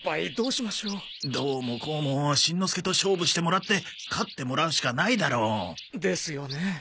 どうもこうもしんのすけと勝負してもらって勝ってもらうしかないだろう。ですよね。